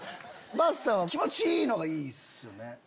ばっさーは気持ちいいのがいいっすよね？